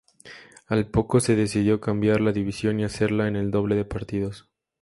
Al poco se decidió cambiar la división y hacerla en el doble de partidos.